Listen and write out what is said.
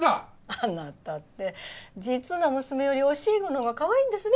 あなたって実の娘より教え子のほうがかわいいんですね。